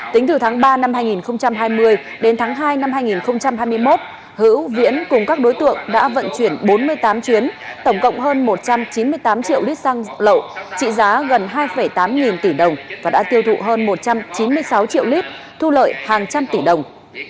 tính từ tháng ba năm hai nghìn hai mươi đến tháng hai năm hai nghìn hai mươi một hữu viễn cùng các đối tượng đã vận chuyển bốn mươi tám chuyến tổng cộng hơn một trăm chín mươi tám triệu lít xăng lậu trị giá gần hai tám nghìn tỷ đồng và đã tiêu thụ hơn một trăm chín mươi sáu triệu lít thu lợi hàng trăm tỷ đồng